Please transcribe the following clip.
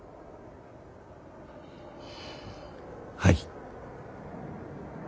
はい。